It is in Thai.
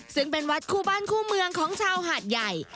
ซึ่งเป็นวัดคู่บ้านคู่เมืองของชาวหาดใหญ่